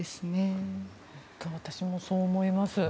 本当に私もそう思います。